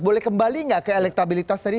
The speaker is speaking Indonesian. boleh kembali nggak ke elektabilitas tadi